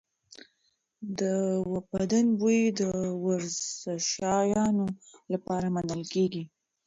د بدن بوی د ورزشځایونو لپاره منل کېږي.